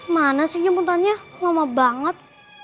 mana sih nyemutannya lama banget